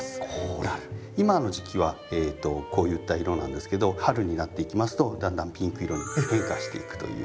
今の時期はこういった色なんですけど春になっていきますとだんだんピンク色に変化していくというような。